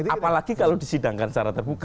apalagi kalau disidangkan secara terbuka